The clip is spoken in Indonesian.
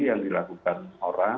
yang dilakukan orang